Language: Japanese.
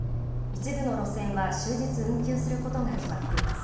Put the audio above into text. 一部の路線は終日運休することが決まっています。